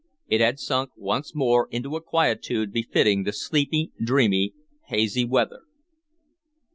It had sunk once more into a quietude befitting the sleepy, dreamy, hazy weather.